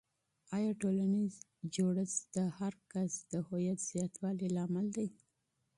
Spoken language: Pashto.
آیا ټولنیز جوړښت د فرد د هویت زیاتوالي لامل دی؟